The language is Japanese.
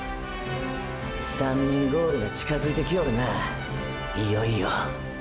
“３人ゴール”が近づいてきよるないよいよ！！